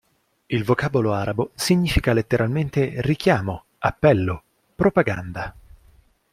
Il vocabolo arabo significa letteralmente "richiamo, appello, propaganda".